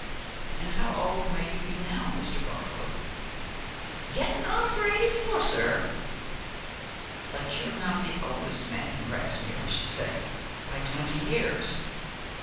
'And how old may you be now, Mr. Barlow?' 'Getting on for eighty four, sir.' 'But you are not the oldest man in Grasmere, I should say, by twenty years?'